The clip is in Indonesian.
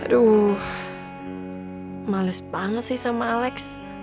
aduh males banget sih sama alex